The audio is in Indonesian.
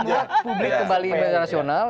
membuat publik kembali rasional